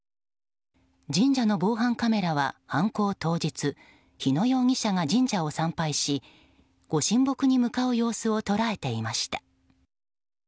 神社の防犯カメラは、犯行当日日野容疑者が神社を参拝しご神木に向かう様子を捉えていました。